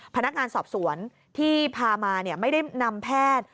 พนักงานสอบสวนที่พามาไม่ได้นำแพทย์